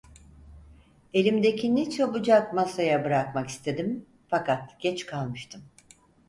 Elimdekini çabucak masaya bırakmak istedim, fakat geç kalmıştım.